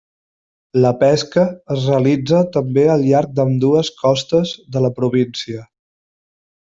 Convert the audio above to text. La pesca es realitza també al llarg d'ambdues costes de la província.